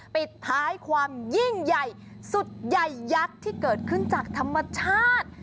ปิดท้ายความยิ่งใหญ่สุดใหญ่ยักษ์ที่เกิดขึ้นจากธรรมชาติ